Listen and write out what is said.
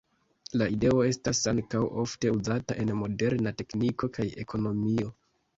La ideo estas ankaŭ ofte uzata en moderna tekniko kaj ekonomio.